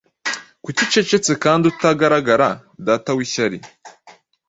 Kuki ucecetse kandi utagaragara Data w'ishyari